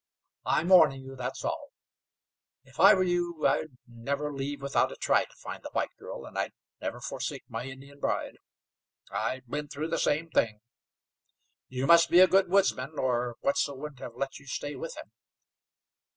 "I am warning you, that's all. If I were you I'd never leave without a try to find the white girl, and I'd never forsake my Indian bride. I've been through the same thing. You must be a good woodsman, or Wetzel wouldn't have let you stay with him.